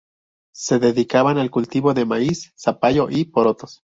Se dedicaban al cultivo de maíz, zapallo y porotos.